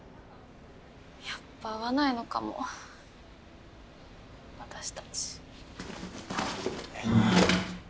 やっぱ合わないのかも私たちえっ？